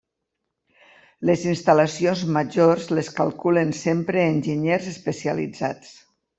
Les instal·lacions majors les calculen sempre enginyers especialitzats.